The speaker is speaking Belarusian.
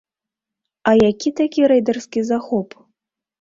А які такі рэйдарскі захоп?